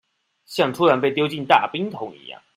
像突然被丟進大冰桶一樣